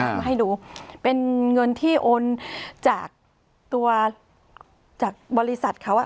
มาให้ดูเป็นเงินที่โอนจากตัวจากบริษัทเขาอ่ะ